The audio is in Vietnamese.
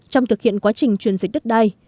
trong thực hiện quá trình chuyên dịch đất đai